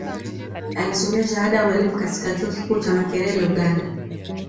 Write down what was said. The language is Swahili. Alisomea shahada ya Ualimu katika Chuo Kikuu cha Makerere Uganda